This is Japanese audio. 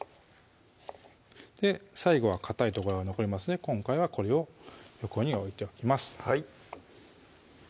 最後はかたい所が残りますので今回はこれを横に置いておきます